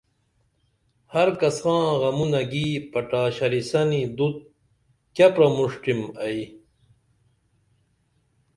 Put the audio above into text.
ہر کساں غمونہ گی پٹا شریسنی دُت کیہ پرمُݜٹِم ائی